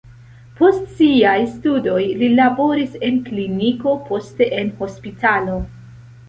Post siaj studoj li laboris en kliniko, poste en hospitalo.